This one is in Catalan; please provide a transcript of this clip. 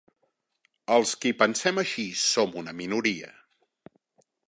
Els qui pensem així som una minoria.